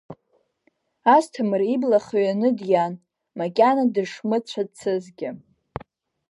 Асҭамыр ибла хҩаны диан, макьана дышмыцәацызгьы.